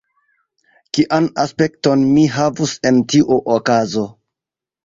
Kian aspekton mi havus en tiu okazo?